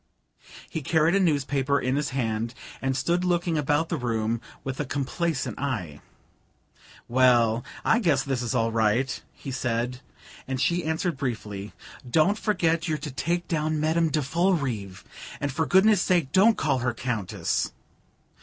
He carried a newspaper in his hand, and stood looking about the room with a complacent eye. "Well, I guess this is all right," he said, and she answered briefly: "Don't forget you're to take down Madame de Follerive; and for goodness' sake don't call her 'Countess.'"